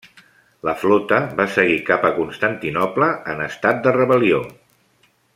La flota va seguir cap a Constantinoble en estat de rebel·lió.